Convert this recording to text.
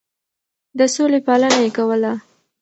د سولې پالنه يې کوله.